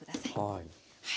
はい。